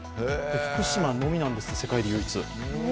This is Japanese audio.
福島のみなんです、世界で唯一。